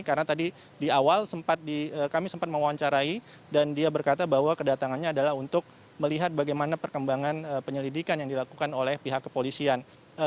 karena tadi di awal kami sempat mewawancarai dan dia berkata bahwa kedatangannya adalah untuk melihat bagaimana perkembangan penyelidikan yang dilakukan oleh pihak kepolisian